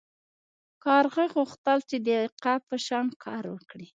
کارغه غوښتل چې د عقاب په شان کار وکړي.